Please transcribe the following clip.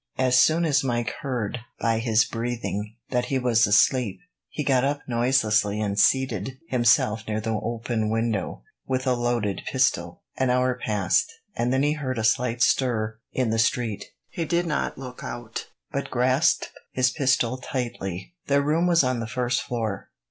As soon as Mike heard, by his breathing, that he was asleep, he got up noiselessly and seated himself near the open window, with a loaded pistol. An hour passed, and then he heard a slight stir in the street. He did not look out, but grasped his pistol tightly. Their room was on the first floor.